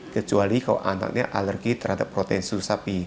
kecuali kalau anaknya alergi terhadap protein susu sapi